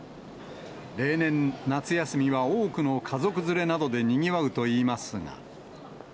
例年、夏休みは多くの家族連れなどでにぎわうといいますが。